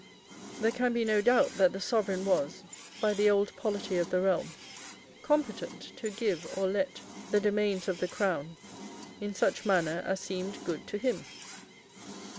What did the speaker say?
There can be no doubt that the Sovereign was, by the old polity of the realm, competent to give or let the domains of the Crown in such manner as seemed good to him.